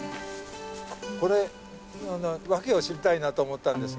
これ訳を知りたいなと思ったんですが。